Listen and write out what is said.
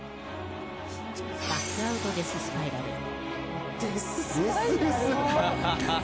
バックアウトデススパイラル。